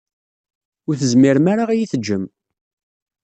Ur tezmirem ara ad iyi-teǧǧem.